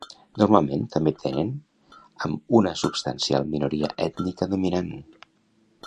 Normalment també tenen amb una substancial minoria ètnica dominant.